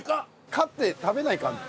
買って食べないかんの？